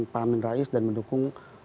pak amin rais dan mendukung